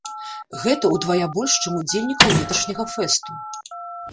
Гэта ўдвая больш, чым удзельнікаў леташняга фэсту.